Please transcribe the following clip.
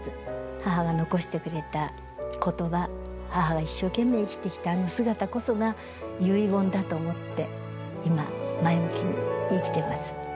母が残してくれた言葉母が一生懸命生きてきたあの姿こそが遺言だと思って今前向きに生きてます。